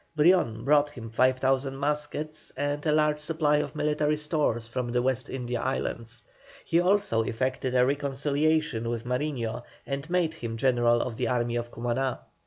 Brion brought him 5,000 muskets and a large supply of military stores from the West India Islands. He also effected a reconciliation with Mariño and made him general of the Army of Cumaná.